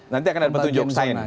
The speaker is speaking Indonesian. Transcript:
nanti akan ada petunjuk sign